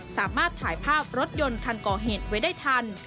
สามารถถ่ายภาพรถยนต์คันก่อเหตุไว้ได้ทัน